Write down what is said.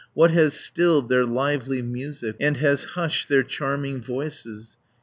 What has stilled their lively music, 200 And has hushed their charming voices?